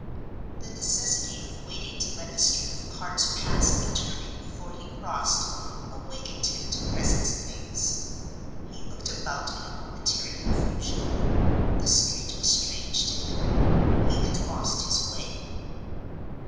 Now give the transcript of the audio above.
The necessity of waiting to let a string of carts pass at a turning before he crossed awakened him to present things. He looked about in a momentary confusion. The street was strange to him; he had lost his way.